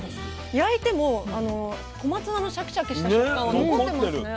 焼いても小松菜のシャキシャキした食感は残ってますね。